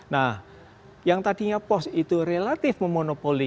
nah yang tadinya pos itu relatif memonopoli